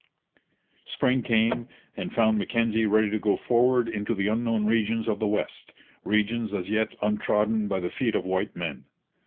Spring came and found Mackenzie ready to go forward into the unknown regions of the west, regions as yet untrodden by the feet of white men.